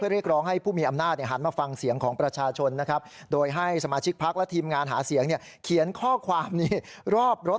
ด้วยดินสอบฮองนะครับอันนี้หลับได้ลบได้ครับ